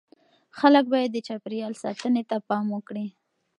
خلک باید د چاپیریال ساتنې ته پام وکړي.